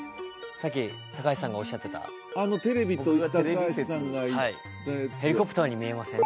さっき高橋さんがおっしゃってたあのテレビと高橋さんが言ったやつヘリコプターに見えません？